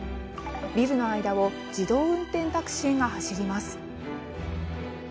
ビルの間を自動運転タクシーが走ります。